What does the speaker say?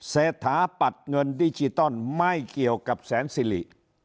เศรษฐาปัดเงินดิจิตอลไม่เกี่ยวกับแสนสิริ